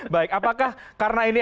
baik apakah karena ini